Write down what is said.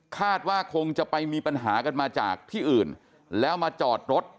คาดว่าคงจะไปมีปัญหากันมาจากที่อื่นแล้วมาจอดรถ